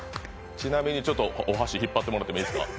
ちなみに、ちょっとお箸、引っ張ってもらってもいいですか？